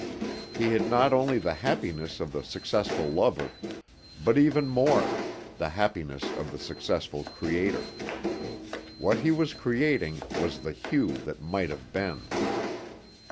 He had not only the happiness of the successful lover, but even more, the happiness of the successful creator. What he was creating was the Hugh that might have been.